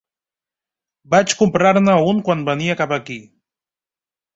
Vaig comprar-ne un quan venia cap aquí.